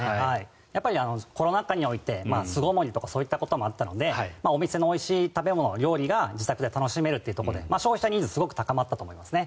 コロナ禍において巣ごもりとかそういったこともあったのでお店のおいしい食べ物、料理が自宅で楽しめるということで消費者ニーズがすごく高まったと思いますね。